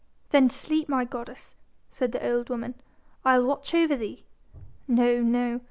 "Then sleep, my goddess," said the old woman, "I'll watch over thee." "No! no!